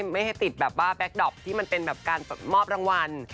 ไม่ให้ติดแบบว่าแก๊กดอปที่มันเป็นแบบการมอบรางวัล